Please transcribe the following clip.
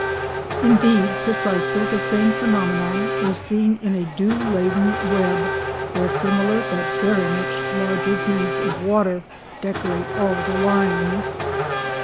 Indeed precisely the same phenomenon is seen on a dew laden web, where similar but very much larger beads of water decorate all the lines.